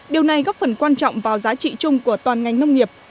điều này góp phần quan trọng vào giá trị chung của toàn ngành nông nghiệp